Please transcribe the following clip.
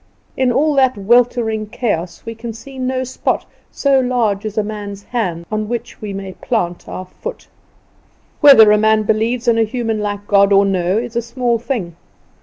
In all that weltering chaos we can see no spot so large as a man's hand on which we may plant our foot. Whether a man believes in a human like God or no is a small thing.